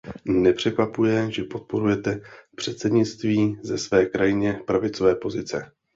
Nepřekvapuje, že podporujete předsednictví ze své krajně pravicové pozice.